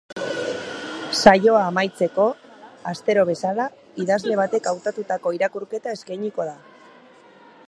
Saioa amaitzeko, astero bezala, idazle batek hautatutako irakurketa eskainiko da.